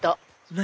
何？